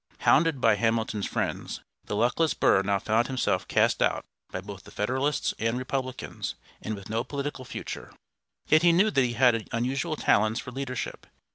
Hounded by Hamilton's friends, the luckless Burr now found himself cast out by both the Federalists and Republicans, and with no political future. Yet he knew that he had unusual talents for leadership.